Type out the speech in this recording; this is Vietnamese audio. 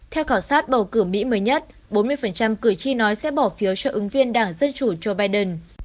theo khảo sát bầu cử mỹ mới nhất bốn mươi cử tri nói sẽ bỏ phiếu cho ứng viên đảng dân chủ joe biden